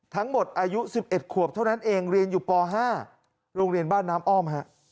ทั้งหมดอายุ๑๑ขวบเท่านั้นเองเรียนอยู่ป๕โรงเรียนบ้านน้ำอ้อม